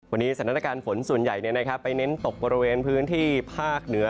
วันนี้สถานการณ์ฝนส่วนใหญ่ไปเน้นตกบริเวณพื้นที่ภาคเหนือ